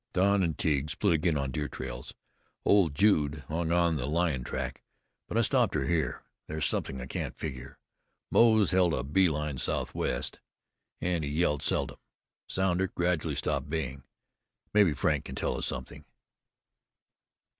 Don and Tige split again on deer trails. Old Jude hung on the lion track, but I stopped her here. There's something I can't figure. Moze held a beeline southwest, and he yelled seldom. Sounder gradually stopped baying. Maybe Frank can tell us something."